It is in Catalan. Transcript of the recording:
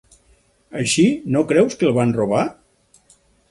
Així no creus que el van robar?